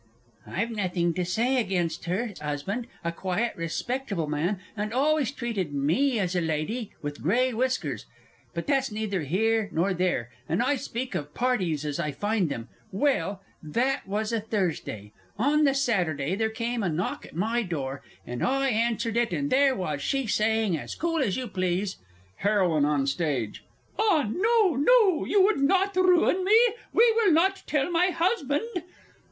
I've nothing to say against her 'usban', a quiet, respectable man, and always treated me as a lady, with grey whiskers but that's neither here nor there and I speak of parties as I find them well. That was a Thursday. On the Saturday there came a knock at my door, and I answered it, and there was she saying, as cool as you please (HEROINE ON STAGE. "Ah, no, no you would not ruin me? You will not tell my husband?")